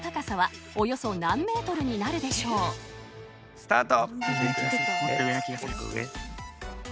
スタート！